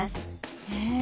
へえ。